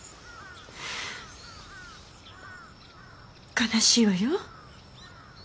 悲しいわよ。